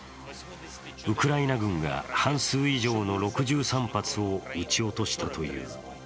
ウクライナ軍が半数以上の６３発を撃ち落としたという。